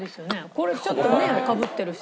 これちょっとねかぶってるし。